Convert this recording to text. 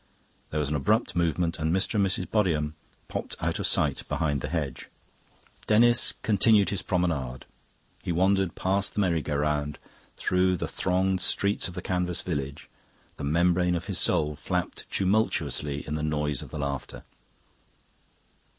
There was an abrupt movement, and Mr. and Mrs. Bodiham popped out of sight behind the hedge. Denis continued his promenade. He wandered past the merry go round, through the thronged streets of the canvas village; the membrane of his soul flapped tumultuously in the noise and laughter.